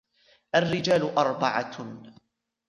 الرِّجَالُ أَرْبَعَةٌ